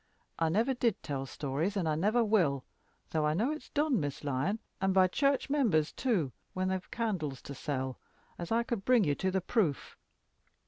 I never did tell stories, and I never will though I know it's done, Miss Lyon, and by church members too, when they have candles to sell, as I could bring you to the proof.